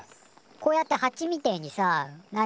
こうやってハチみてえにさ何？